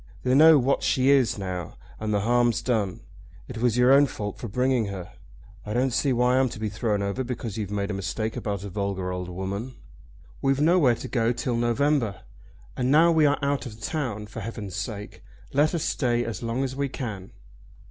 They know what she is now, and the harm's done. It was your own fault for bringing her. I don't see why I'm to be thrown over because you've made a mistake about a vulgar old woman. We've nowhere to go to till November, and now we are out of town for heaven's sake let us stay as long as we can."